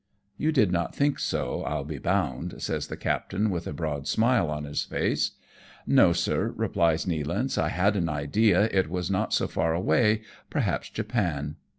"You did not think so, Fll be bound," says the captain, with a broad smile on his face. " No, sir," replies Nealance, " I had an idea it was not so far away, perhaps Japan."